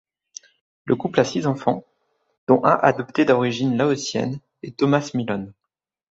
Le couple a six enfants, dont un adopté d'origine laotienne et Thomas Millon.